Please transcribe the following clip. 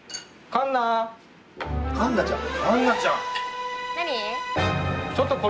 カンナちゃん。